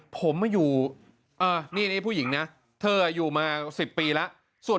ผมมาอยู่อ่านี่นี่ผู้หญิงน่ะเธออยู่มาสิบปีแล้วส่วน